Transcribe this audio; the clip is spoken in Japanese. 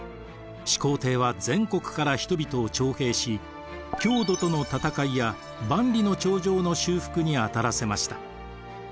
始皇帝は全国から人々を徴兵し匈奴との戦いや万里の長城の修復に当たらせました。